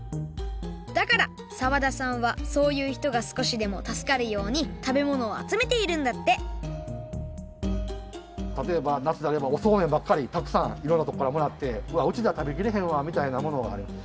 だから澤田さんはそういうひとがすこしでもたすかるように食べ物をあつめているんだってたとえば夏であればおそうめんばっかりたくさんいろんなとこからもらって「うわっうちでは食べきれへんわ」みたいなものがある。